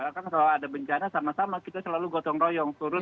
kan kalau ada bencana sama sama kita selalu gotong royong turun